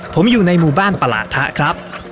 ผมอยู่ในหมู่บ้านประหลาดทะครับ